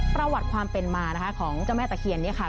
ประวัติความเป็นมานะคะของเจ้าแม่ตะเคียนเนี่ยค่ะ